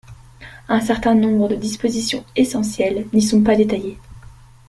Un certain nombre de dispositions essentielles n’y sont pas détaillées.